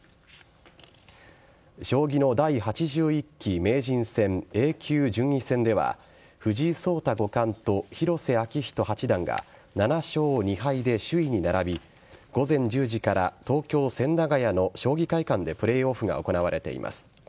将棋の第８１期名人戦Ａ級順位戦では藤井聡太五冠と広瀬章人八段が７勝２敗で首位に並び午前１０時から東京・千駄ヶ谷の将棋会館でプレーオフが行われています。